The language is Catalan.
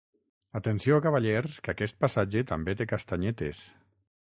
Atenció, cavallers, que aquest passatge també té castanyetes.